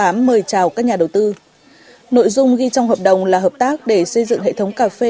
sáu mươi tám mời chào các nhà đầu tư nội dung ghi trong hợp đồng là hợp tác để xây dựng hệ thống cà phê